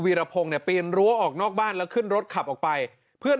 รพงศ์เนี่ยปีนรั้วออกนอกบ้านแล้วขึ้นรถขับออกไปเพื่อน